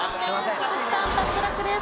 鈴木さん脱落です。